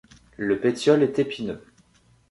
Le pétiole est épineux.